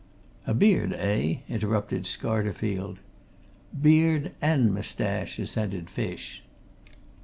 "A beard, eh " interrupted Scarterfield. "Beard and moustache," assented Fish.